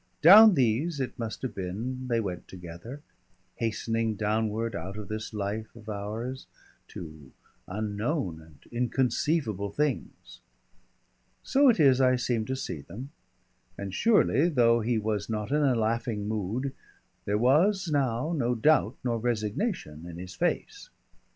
Down these it must have been they went together, hastening downward out of this life of ours to unknown and inconceivable things. So it is I seem to see them, and surely though he was not in a laughing mood, there was now no doubt nor resignation in his face.